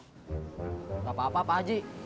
tidak apa apa pak haji